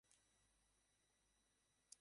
স্তুতির বুঝি দরকার হয় না?